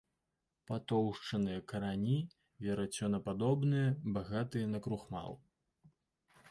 Патоўшчаныя карані, верацёнападобныя, багатыя на крухмал.